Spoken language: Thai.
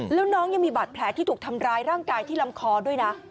แล้วน้องยังมีบาดแผลที่ถูกทำร้ายร่างกายที่ลำคอด้วยนะ